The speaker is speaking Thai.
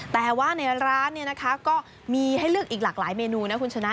แต่ว่าในร้านเนี่ยนะคะก็มีให้เลือกอีกหลากหลายเมนูนะคุณชนะ